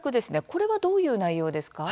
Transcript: これはどのような内容ですか？